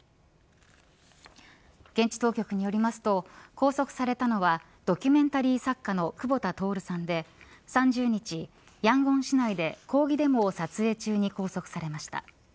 現地当局によりますと拘束されたのはドキュメンタリー作家の久保田徹さんで３０日、ヤンゴン市内で抗議デモを撮影中に拘束されました。